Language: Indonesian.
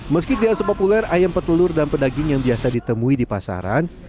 meski tidak sepopuler ayam petelur dan pedaging yang biasa ditemui di pasaran